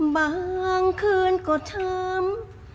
บางคืนก็ช้ำ